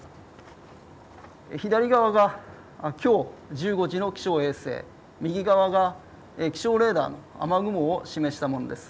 左側がきょう１５時の気象衛星、右側が気象レーダーの雨雲を示したものです。